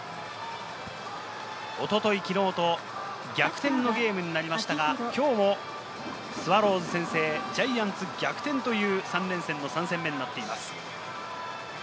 一昨日、昨日と逆転のゲームになりましたが、今日もスワローズ先制、ジャイアンツ逆転という３連戦の３戦目になっています。